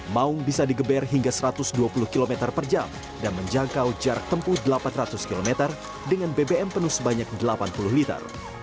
maung bisa digeber hingga satu ratus dua puluh km per jam dan menjangkau jarak tempuh delapan ratus km dengan bbm penuh sebanyak delapan puluh liter